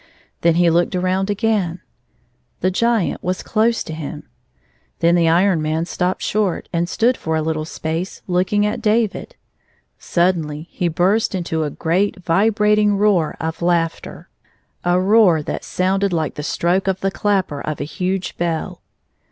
Then he looked around again; the Giant was close to him. Then the Iron Man stopped short, and stood for a little space looking at David. Suddenly he burst into a great vibrating roar of laughter, a i6i roar that sounded like the stroke of the clapper of a huge bell.